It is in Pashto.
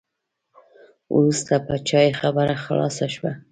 وروسته په چای خبره خلاصه شوه.